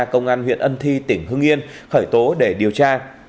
công an huyện ân thi tỉnh hưng yên khởi tố để điều tra